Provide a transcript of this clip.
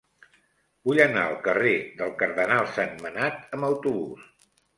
Vull anar al carrer del Cardenal Sentmenat amb autobús.